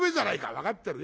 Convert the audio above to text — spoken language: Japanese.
「分かってるよ。